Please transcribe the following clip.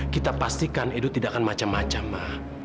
kita pastikan edo tidak akan macam macam ma